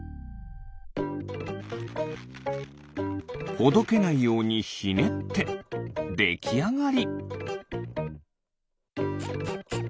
ほどけないようにひねってできあがり。